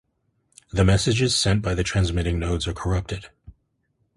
The messages sent by the transmitting nodes are corrupted.